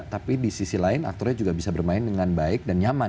tapi di sisi lain aktornya juga bisa bermain dengan baik dan nyaman